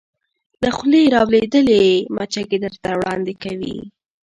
له خولې را لویدلې مچکې درته وړاندې کوې